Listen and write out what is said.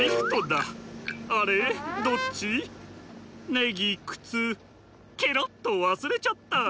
ねぎくつけろっとわすれちゃった。